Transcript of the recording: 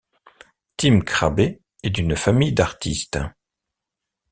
Tim Krabbé est d'une famille d'artistes.